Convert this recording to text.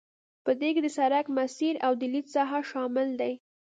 په دې کې د سرک مسیر او د لید ساحه شامل دي